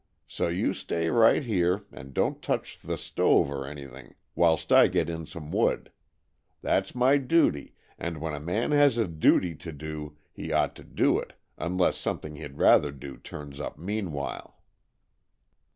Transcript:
So you stay right here and don't touch the stove or anything, whilst I get in some wood. That's my duty, and when a man has a duty to do he ought to do it, unless something he'd rather do turns up meanwhile."